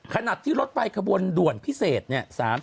ขณะที่รถไฟขบวนด่วนพิเศษเนี่ย